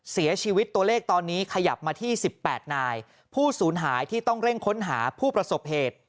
เสียชีวิตตัวเลขตอนนี้ขยับมาที่สิบแปดนายผู้สูญหายที่ต้องเร่งค้นหาผู้ประสบเหตุ